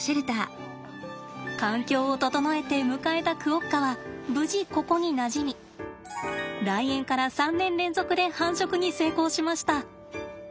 環境を整えて迎えたクオッカは無事ここになじみ来園から３年連続で繁殖に成功しました！